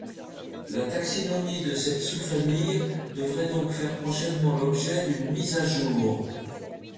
La taxinomie de cette sous-famille devrait donc faire prochainement l'objet d'une mise à jour.